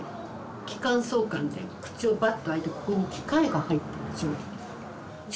気管挿管って口をバッと開いてここに機械が入ってる状態。